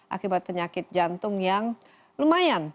akibat penyakit jantung yang lumayan